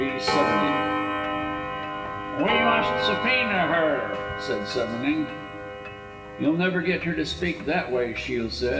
V. Sevenning. "We must subpoena her," said Sevenning. "You'll never get her to speak that way," Shiel said.